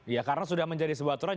ya karena sudah menjadi sebuah aturan